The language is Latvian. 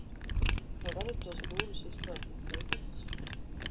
Vai varat tos būrus izkraut no piekabes?